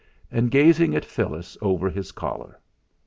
and gazing at Phyllis over his collar.